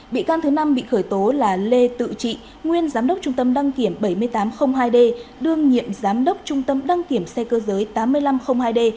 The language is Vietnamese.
bị can thứ năm bị khởi tố là lê tự trị nguyên giám đốc trung tâm đăng kiểm bảy nghìn tám trăm linh hai d đương nhiệm giám đốc trung tâm đăng kiểm xe cơ giới tám nghìn năm trăm linh hai d